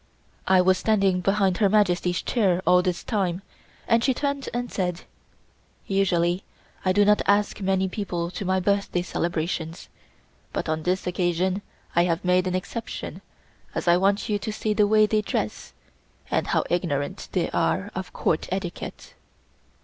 I was standing behind Her Majesty's chair all this time, and she turned and said: "Usually I do not ask many people to my birthday celebrations, but on this occasion I have made an exception as I want you to see the way they dress and how ignorant they are of Court etiquette."